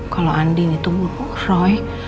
kalau andin itu roy